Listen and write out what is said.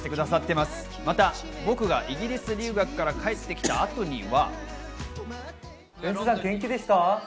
また、僕がイギリス留学から帰ってきた後には。